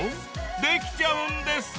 できちゃうんです！